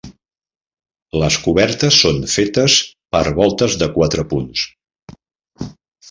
Les cobertes són fetes per voltes de quatre punts.